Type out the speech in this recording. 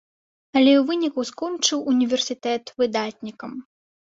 Але ў выніку скончыў універсітэт выдатнікам.